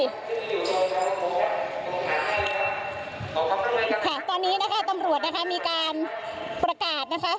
ขอขอบคุณเลยค่ะค่ะตอนนี้นะคะตำรวจนะคะมีการประกาศนะคะ